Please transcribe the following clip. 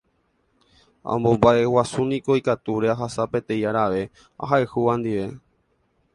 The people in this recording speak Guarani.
amomba'eguasúniko ikatúre ahasa peteĩ arave ahayhúva ndive